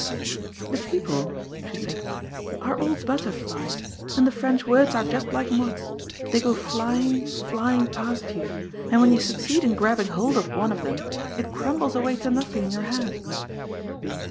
"The people," she said, "are all butterflies, and the French words are just like moths — they go flying, flying past you, and when you succeed in grabbing hold of one of them, it crumbles away to nothing in your hand."